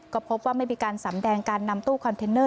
ก็พบว่าไม่มีการสำแดงการนำตู้คอนเทนเนอร์